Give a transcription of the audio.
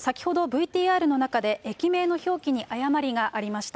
先ほどＶＴＲの中で、駅名の表記に誤りがありました。